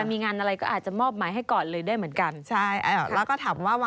ดีมากเลยน่ะครับ